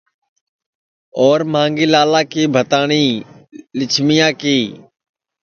اور مانگھی لالا کی بھتاٹؔی لیجھمیا کی